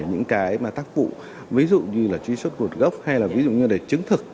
để những cái mà tác vụ ví dụ như là truy xuất gột gốc hay là ví dụ như là để chứng thực